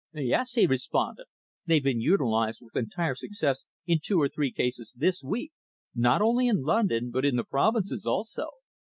"Yes," he responded. "They've been utilised with entire success in two or three cases this week, not only in London, but in the provinces also.